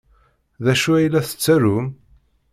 D acu ay la tettarum?